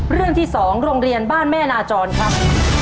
เรื่องที่๒โรงเรียนบ้านแม่นาจรครับ